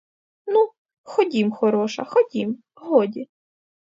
Ну, ходім, хороша, ходім, годі.